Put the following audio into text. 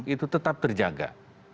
itu tetap terjaga